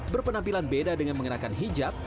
berpenampilan beda dengan mengenakan hijab